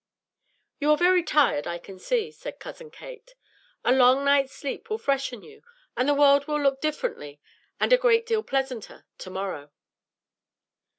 "You are very tired, I can see," said Cousin Kate. "A long night's sleep will freshen you, and the world will look differently and a great deal pleasanter to morrow."